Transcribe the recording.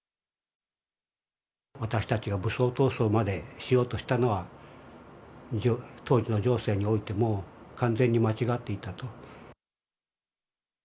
私たちが武装闘争までしようとしたのは、当時の情勢においても、完全に間違っていたと。